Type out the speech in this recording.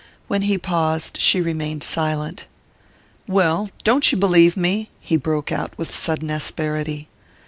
When he paused she remained silent. "Well don't you believe me?" he broke out with sudden asperity.